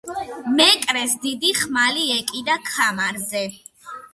მეკრეს დიდი ხმალი ეკიდა ქამარზე.